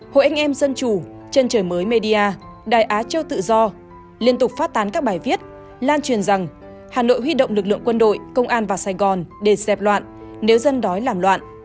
hội anh em dân chủ chân trời mới media đại á châu tự do liên tục phát tán các bài viết lan truyền rằng hà nội huy động lực lượng quân đội công an và sài gòn để dẹp loạn nếu dân đói làm loạn